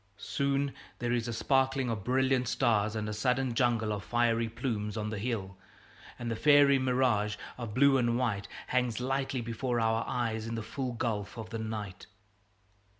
Soon there is a sparkling of brilliant stars and a sudden jungle of fiery plumes on the hill; and a fairy mirage of blue and white hangs lightly before our eyes in the full gulf of night.